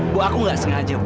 bu aku gak sengaja